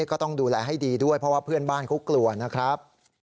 ก็ต้องดูแลให้ดีด้วยเพราะว่าเพื่อนบ้านเขากลัวนะครับ